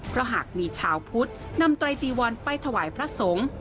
เพราะหากมีชาวพุทธนำไตรจีวรไปถวายพระสงฆ์